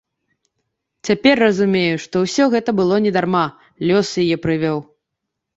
Цяпер разумею, што ўсё гэта было не дарма, лёс яе прывёў.